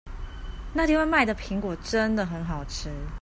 那邊賣的蘋果真的好吃